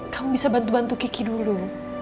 kamu bisa bantu bantu kiki dulu